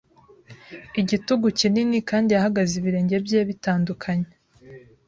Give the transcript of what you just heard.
igitugu kinini kandi yahagaze ibirenge bye bitandukanye